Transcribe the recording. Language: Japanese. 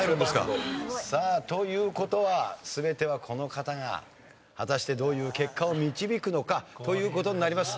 さあという事は全てはこの方が果たしてどういう結果を導くのかという事になります。